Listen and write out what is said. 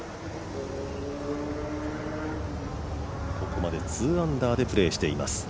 ここまで２アンダーでプレーしています。